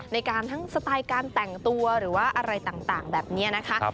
ในการทั้งสไตล์การแต่งตัวหรือว่าอะไรต่างแบบนี้นะคะ